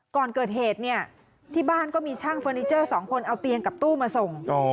ก่อนเกิดเหตุเนี่ยที่บ้านก็มีช่างเฟอร์นิเจอร์๒คนเอาเตียงกับตู้มาส่ง